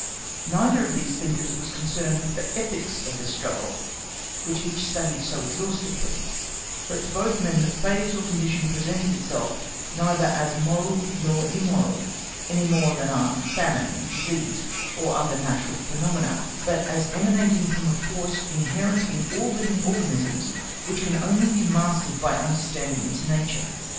Neither of these thinkers was concerned with the ethics of the struggle which each studied so exhaustively, but to both men the phase or condition presented itself neither as moral nor immoral, any more than are famine, disease, or other natural phenomena, but as emanating from a force inherent in all living organisms which can only be mastered by understanding its nature.